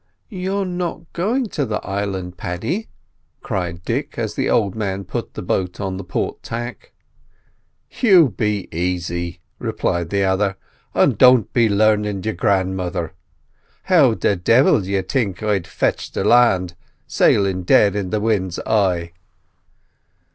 "You're not going to the island, Paddy," cried Dick, as the old man put the boat on the port tack. "You be aisy," replied the other, "and don't be larnin' your gran'mother. How the divil d'ye think I'd fetch the land sailin' dead in the wind's eye?"